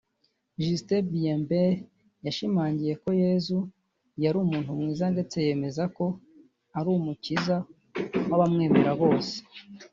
Justin Bieber yashimangiye ko Yezu yari umuntu mwiza ndetse yemeza ko ari umukiza w’abamwemera bose